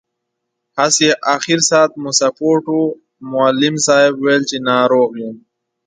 هسې، اخر ساعت مو سپورټ و، معلم صاحب ویل چې ناروغ یم.